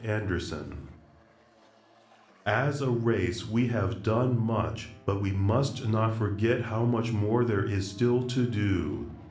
ANDERSON As a race, we have done much, but we must not forget how much more there is still to do.